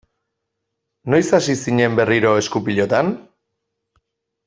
Noiz hasi zinen berriro esku-pilotan?